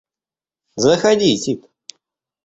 Заходи, Тит!